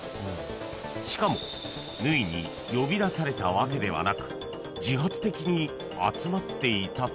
［しかも縫に呼び出されたわけではなく自発的に集まっていたというが］